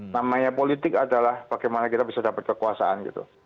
namanya politik adalah bagaimana kita bisa dapat kekuasaan gitu